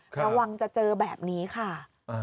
ระวังจะเจอแบบนี้ค่ะ